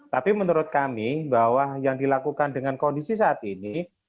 tapi menurut kami bahwa yang dilakukan dengan kondisi saat ini